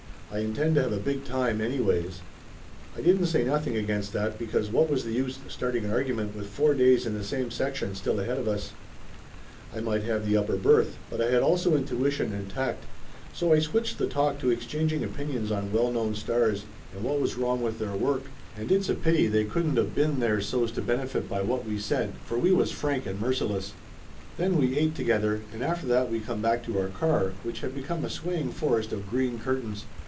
"I intend to have a big time anyways !" I didn't say nothing against that because what was the use starting an argument with four days in the same section still ahead of us ? I might have the upper berth, but I had also intuition and tact, so I switched the talk to exchanging opinions on well known stars and what was wrong with their work, and it's a pity Laughter Limited 61 they couldn't of been there so's to benefit by what we said, for we was frank and merciless. Then we ate together and after that we come back to our car, which had become a swaying forest of green curtains.